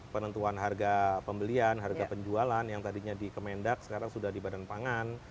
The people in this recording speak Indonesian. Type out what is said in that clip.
penentuan harga pembelian harga penjualan yang tadinya di kemendak sekarang sudah di badan pangan